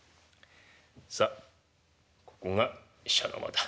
さあここが使者の間だ。